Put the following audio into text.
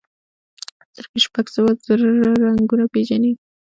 سترګې شپږ سوه زره رنګونه پېژني.